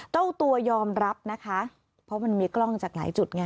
เจ้าตัวยอมรับนะคะเพราะมันมีกล้องจากหลายจุดไง